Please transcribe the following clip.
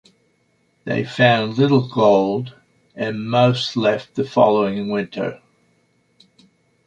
They found little gold, and most left the following winter.